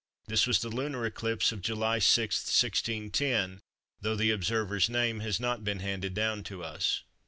This was the lunar eclipse of July 6, 1610, though the observer's name has not been handed down to us.